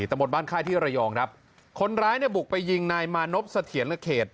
ตำรวจบ้านค่ายที่ระยองครับคนร้ายเนี่ยบุกไปยิงนายมานพเสถียรเขต